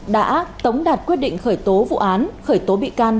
đã tống đạt quyết định khởi tố vụ án khởi tố bị can